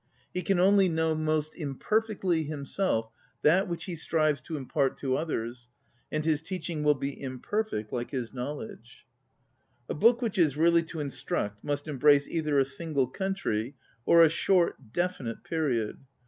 He can only ON READING know most imperfectly himself that which he strives to impart to others, and his teaching will be imperfect, hke his knowledge. A book which is really to instruct must embrace either a single coun try, or a short, definite period.